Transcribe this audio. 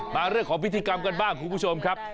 มาเรื่องของพิธีกรรมกันบ้างคุณผู้ชมครับ